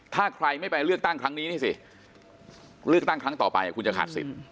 ถ้าใครไม่ไปเลือกตั้งครั้งนี้นี่สิเลือกตั้งครั้งต่อไปคุณจะขาดสิทธิ์